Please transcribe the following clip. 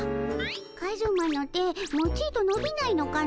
カズマの手もちとのびないのかの。